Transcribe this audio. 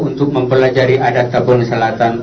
untuk mempelajari adat tabon selatan